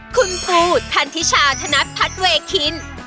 คุณปูทันทิชาธนัดพัฒนเวคิน